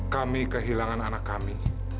kami kehilangan anak kami